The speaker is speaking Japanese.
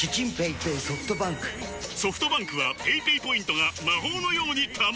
ソフトバンクはペイペイポイントが魔法のように貯まる！